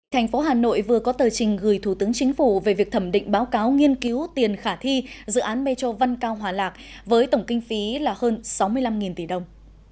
thành phố hà nội vừa có tờ trình gửi thủ tướng chính phủ về việc thẩm định báo cáo nghiên cứu tiền khả thi dự án metro văn cao hòa lạc với tổng kinh phí là hơn sáu mươi năm tỷ đồng